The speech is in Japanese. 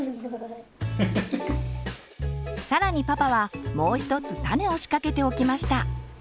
更にパパはもう一つタネを仕掛けておきました。